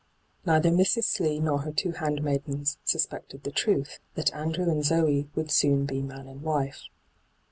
Neither Mrs. Slee nor her two handmaidens suspected the truth, that Andrew and Zoe would soon be man and wife.